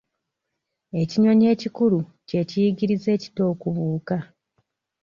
Ekinyonyi ekikulu kye kiyigiriza ekito okubuuka.